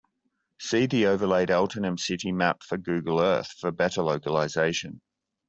See the overlaid Altinum city map for Google Earth for better localization.